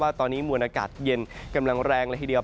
ตอนนี้มวลอากาศเย็นกำลังแรงเลยทีเดียว